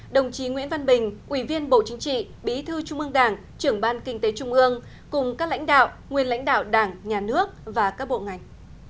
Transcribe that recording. đồng chí nguyễn văn bình ủy viên bộ chính trị bí thư trung ương đảng trưởng ban kinh tế trung ương cùng các lãnh đạo nguyên lãnh đạo đảng nhà nước và các bộ ngành